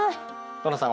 ノラさん